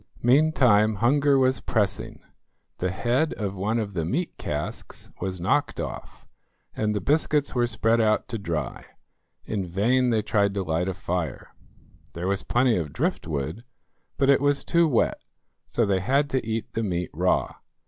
Meantime hunger was pressing; the head of one of the meat casks was knocked off, and the biscuits were spread out to dry. In vain they tried to light a fire. There was plenty of driftwood, but it was too wet; so they had to eat the meat raw.